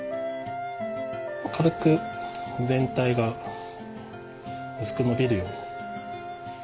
軽く全体がうすくのびるように。